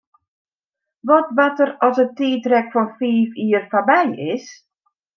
Wat bart der as it tiidrek fan fiif jier foarby is?